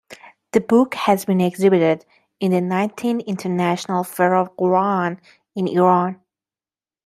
The book has been exhibited in the nineteenth international fair of Quran in Iran.